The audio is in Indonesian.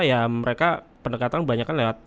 ya mereka pendekatan banyak kan lewat